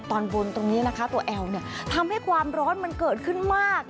ตอนบนตรงนี้นะคะตัวแอลทำให้ความร้อนมันเกิดขึ้นมาก